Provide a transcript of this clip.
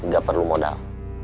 gak perlu modal